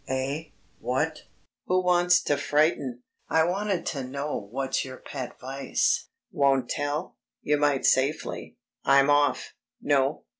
"Eh; what?... Who wants to frighten?... I wanted to know what's your pet vice.... Won't tell? You might safely I'm off.... No....